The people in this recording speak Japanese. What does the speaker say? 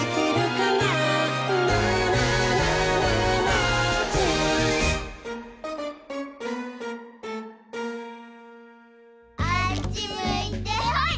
あっちむいてほい！